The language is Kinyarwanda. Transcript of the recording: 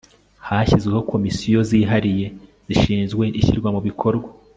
hashyizweho komisiyo zihariye zishinzwe ishyirwa mu bikorwa